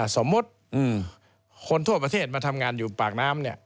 สมมุติคนทั่วประเทศมาทำงานอยู่ปากน้ำ